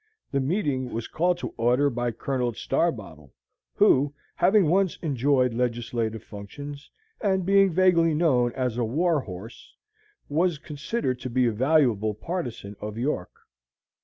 The meeting was called to order by Colonel Starbottle, who, having once enjoyed legislative functions, and being vaguely known as a "war horse," was considered to be a valuable partisan of York.